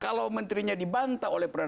kalau menterinya dibantah oleh